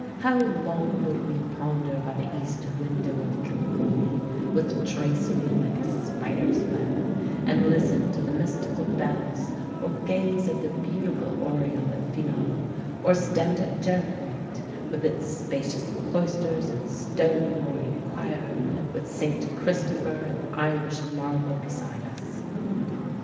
How long could we ponder by the east window of Kilcooley, with tracery like a spider's web, and listen to the mystical bells, or gaze at the beautiful oriel at Feenagh, or stand at Jerpoint, with its spacious cloisters and stone groined choir, with Saint Christopher in Irish marble beside us.